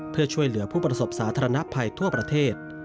เพื่อช่วยเหลือผู้ประสบศาสตร์ธรรมนักภัยทั่วประเทศ